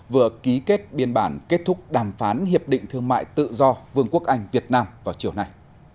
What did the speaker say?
vừa ký kết biên bản kết thúc đàm phán hiệp định thương mại tự do vương quốc anh việt nam vào chiều nay